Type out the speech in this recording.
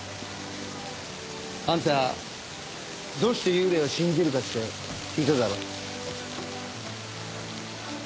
あんたどうして幽霊を信じるかって聞いただろ？